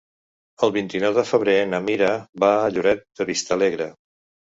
El vint-i-nou de febrer na Mira va a Lloret de Vistalegre.